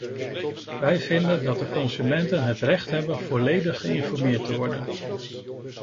Wij vinden dat de consumenten het recht hebben volledig geïnformeerd te worden.